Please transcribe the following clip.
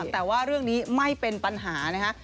แต่ว่าเรื่องนี้ไม่เป็นปัญหานะคะ